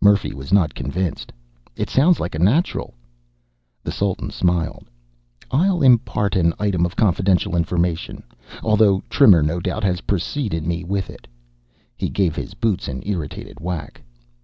Murphy was not convinced. "It sounds like a natural." The Sultan smiled. "I'll impart an item of confidential information although Trimmer no doubt has preceded me with it." He gave his boots an irritated whack.